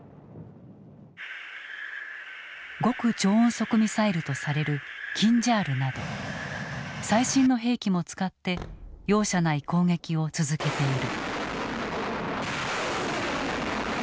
極超音速ミサイルとされるキンジャールなど最新の兵器も使って容赦ない攻撃を続けている。